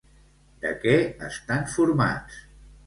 De què estan formats?